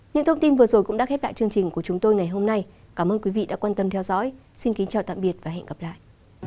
những thông tin vừa rồi cũng đã khép lại chương trình của chúng tôi ngày hôm nay cảm ơn quý vị đã quan tâm theo dõi xin kính chào tạm biệt và hẹn gặp lại